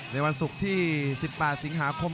ในวันศุกร์ที่๑๘สิงหาคม